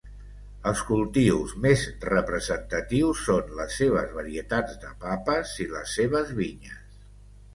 Els cultius més representatius són les seves varietats de papes i les seves vinyes.